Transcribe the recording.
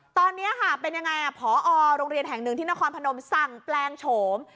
ตอนนี้ค่ะเป็นยังไงพอโรงเรียนแห่งหนึ่งที่นครพนมสั่งแปลงโฉม